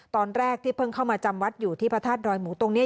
ตอนแรกที่เพิ่งเข้ามาจำวัดอยู่ที่พระธาตุดอยหมูตรงนี้